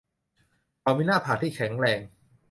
เขามีหน้าผากที่แข็งแรง